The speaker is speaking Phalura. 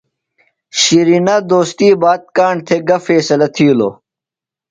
شِرینہ دوستی بات کاݨ تھےۡ گہ فیصلہ تِھیلوۡ ؟